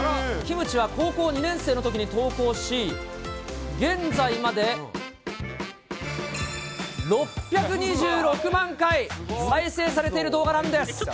キムチは高校２年生のときに投稿し、現在まで６２６万回再生されている動画なんです。